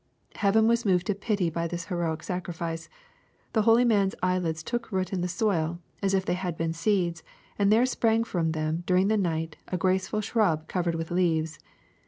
Heaven was moved to pity by this heroic sacrifice : the holy man's eyelids took root in the soil as if they had been seeds, and there sprang from them during the night a graceful shrub covered with leaves.